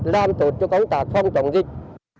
làm tốt cho công tác phòng chống dịch